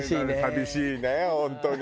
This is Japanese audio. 寂しいね本当に。